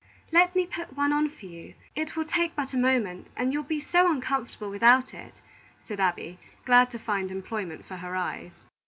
"Let me put one on for you. It will take but a moment, and you'll be so uncomfortable without it," said Abby, glad to find employment for her eyes.